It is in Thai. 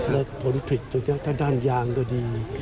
แล้วผลผิดตรงนี้ตั้งด้านยางก็ดี